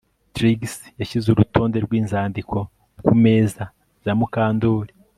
Trix yashyize urutonde rwinzandiko ku meza ya Mukandoli